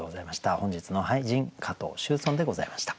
本日の俳人加藤楸邨でございました。